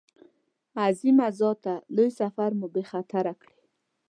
عظیمه ذاته لوی سفر مو بې خطره کړې.